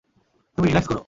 তুমি রিল্যাক্স করো।